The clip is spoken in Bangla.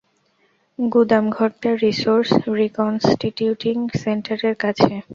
গুদাম ঘরটা রিসোর্স রিকন্সটিটিউটিং সেন্টারের কাছে।